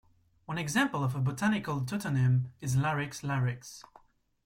One example of a botanical tautonym is 'Larix larix'.